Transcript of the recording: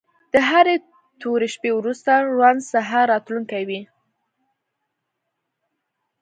د هرې تورې شپې وروسته روڼ سهار راتلونکی وي.